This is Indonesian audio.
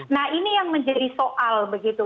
nah ini yang menjadi soal begitu